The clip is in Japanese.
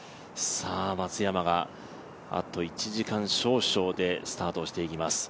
松山があと１時間少々でスタートをしていきます。